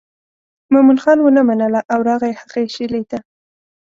مومن خان ونه منله او راغی هغې شېلې ته.